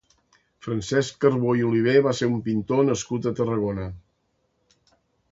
Francesc Carbó i Olivé va ser un pintor nascut a Tarragona.